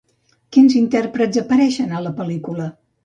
Quins intèrprets apareixen a la pel·lícula?